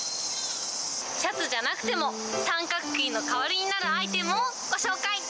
シャツじゃなくても、三角巾の代わりになるアイテムをご紹介。